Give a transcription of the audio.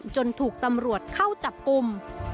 จนถูกตำรวจเข้าจับกลุ่ม